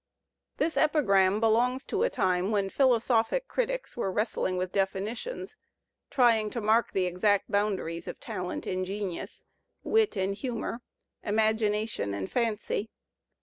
This epigram belongs to a time when philosophic critics were wrestling with definitions, trying to mark the exact boundaries of talent and genius, wit and hmnour, imagination and fancy.